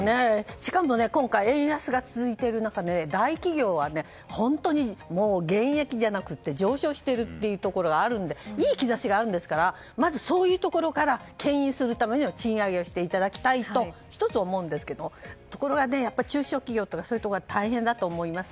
しかも今回、円安が続いている中大企業は本当に減益じゃなくて上昇しているところがあるのでいい兆しがあるんですからまずそういうところから牽引するために賃上げをしていただきたいと１つ、思いますがところが中小企業とかそういうところは大変だと思います。